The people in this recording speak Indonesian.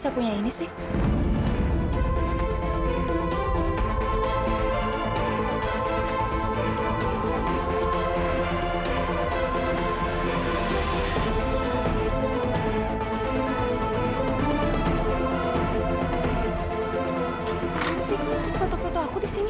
apaan sih foto foto aku di sini